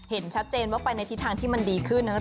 เห็นชัดเจนว่าไปในทิศทางที่มันดีขึ้นนะครับ